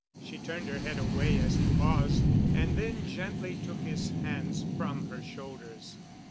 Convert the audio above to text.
She turned her head away as he paused, and then gently took his hands from her shoulders.